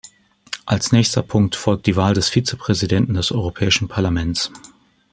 Als nächster Punkt folgt die Wahl der Vizepräsidenten des Europäischen Parlaments.